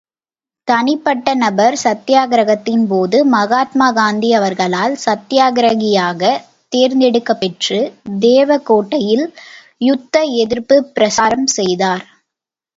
தனிப்பட்ட நபர் சத்யாக்கிரகத்தின்போது மகாத்மா காந்தி அவர்களால் சத்யாக்கிரகியாகத் தேர்ந்தெடுக்கப்பெற்று தேவகோட்டையில் யுத்த எதிர்ப்புப் பிரசாரம் செய்தார்.